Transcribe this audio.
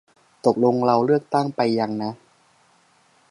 ตกลงเราเลือกตั้งไปยังนะ